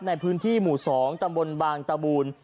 ในพื้นที่หมู่๒ตำบลบางตะบูน